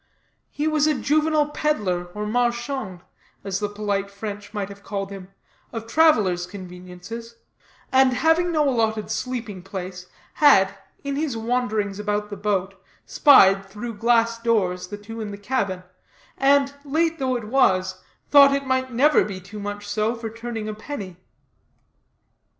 He was a juvenile peddler, or marchand, as the polite French might have called him, of travelers' conveniences; and, having no allotted sleeping place, had, in his wanderings about the boat, spied, through glass doors, the two in the cabin; and, late though it was, thought it might never be too much so for turning a penny.